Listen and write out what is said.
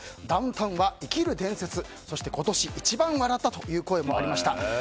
ダウンタウンは生きる伝説そして今年、一番笑ったという声もありました。